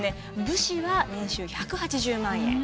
武士は年収１８０万円。